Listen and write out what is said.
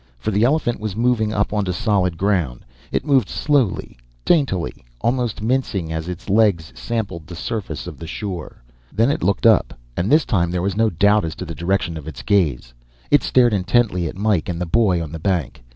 For the elephant was moving up onto solid ground. It moved slowly, daintily, almost mincing as its legs sampled the surface of the shore. Then it looked up and this time there was no doubt as to the direction of its gaze it stared intently at Mike and the boy on the bank.